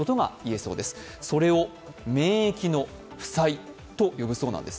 それを免疫の負債と呼ぶそうなんです。